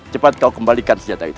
cepat kau kembalikan senjata itu